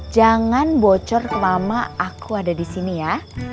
jangan bocor ke mama aku ada disini ya